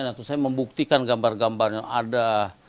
nanti saya membuktikan gambar gambarnya ada